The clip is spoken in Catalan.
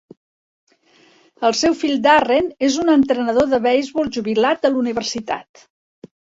El seu fill Darren és un entrenador de beisbol jubilat de la universitat.